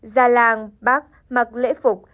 gia lang bác mặc lễ phục